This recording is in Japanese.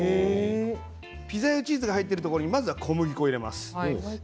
ピザ用チーズが入ってるところにまずは小麦粉を入れます。